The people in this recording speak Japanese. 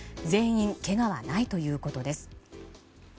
全員けがはないということです。